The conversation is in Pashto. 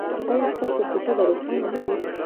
ایا ستاسو کوټه به روښانه نه وي؟